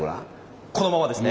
このままですね。